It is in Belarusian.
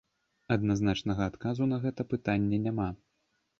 Адназначнага адказу на гэта пытанне няма.